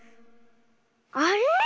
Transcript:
あれ⁉